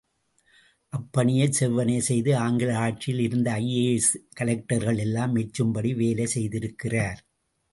அப்பணியையும் செவ்வனே செய்து, ஆங்கில ஆட்சியில் இருந்த ஐ.ஏ.ஏஸ் கலெக்டர்களெல்லாம் மெச்சும்படி வேலை செய்திருக்கிறார்.